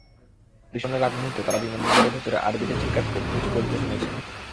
বিস্ফোরণের আগমুহূর্তে তাঁরা বিমানবন্দরের ভেতরে আরবিতে চিৎকার করে কিছু বলতে শুনেছেন।